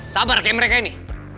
sabar kayak mereka ini